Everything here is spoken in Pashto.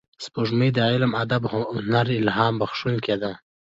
سپوږمۍ د علم، ادب او هنر الهام بخښونکې ده